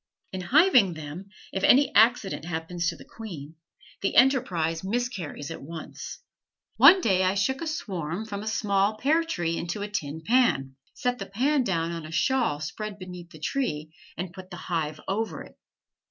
In hiving them, if any accident happens to the queen the enterprise miscarries at once. One day I shook a swarm from a small pear tree into a tin pan, set the pan down on a shawl spread beneath the tree, and put the hive over it.